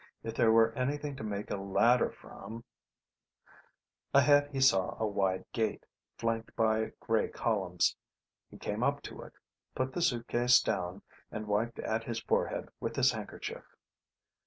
If there were anything to make a ladder from Ahead he saw a wide gate, flanked by grey columns. He came up to it, put the suitcase down, and wiped at his forehead with his handkerchief.